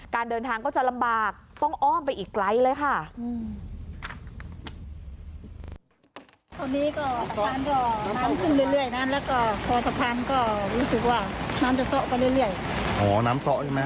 การเดินทางก็จะลำบากต้องอ้อมไปอีกไกลเลยค่ะ